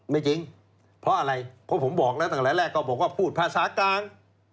ไม่จริงเพราะอะไรเพราะผมบอกแล้วตั้งแต่แรกก็บอกว่าพูดภาษากลาง